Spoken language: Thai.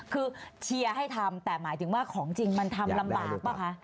คือเชียร์ให้ทำแต่หมายถึงว่าของจริงมันทำลำบากป่ะคะ